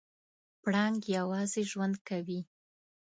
پړانګ یوازې ژوند کوي.